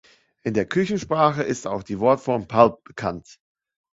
In der Küchensprache ist auch die Wortform Pulp bekannt.